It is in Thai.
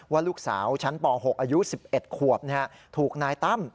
ว่าลูกสาวชั้นป๖อายุ๑๑ขวบถูกนายตั้ม